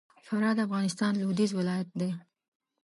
فراه د افغانستان لوېدیځ ولایت دی